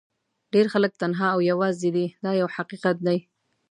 ډېر خلک تنها او یوازې دي دا یو حقیقت دی.